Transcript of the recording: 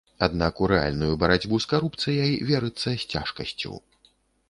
Аднак у рэальную барацьбу з карупцыяй верыцца з цяжкасцю.